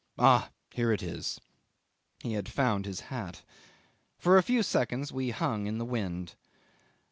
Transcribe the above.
"Ah! here it is." He had found his hat. For a few seconds we hung in the wind.